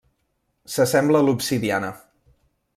S'assembla a l'obsidiana.